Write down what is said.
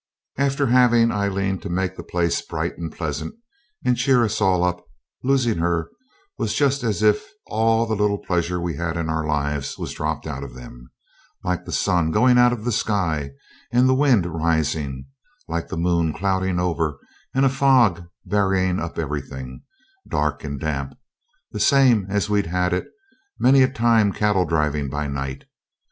After having Aileen to make the place bright and pleasant and cheer us all up losing her was just as if all the little pleasure we had in our lives was dropped out of them like the sun going out of the sky, and the wind rising; like the moon clouding over, and a fog burying up everything dark and damp, the same as we'd had it many a time cattle driving by night.